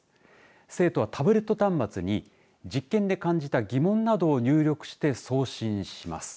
生徒はタブレット端末に実験で感じた疑問などを入力して送信します。